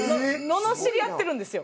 罵り合ってるんですよ。